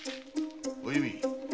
お弓。